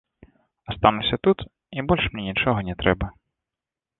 Астануся тут, і больш мне нічога не трэба.